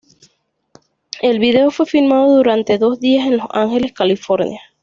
El video fue filmado durante dos días en Los Ángeles, California.